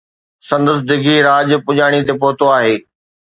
سندس ڊگھي راڄ پڄاڻي تي پهتو آهي.